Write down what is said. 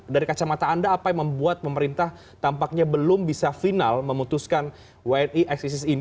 dari kacamata anda apa yang membuat pemerintah tampaknya belum bisa final memutuskan wni eksisis ini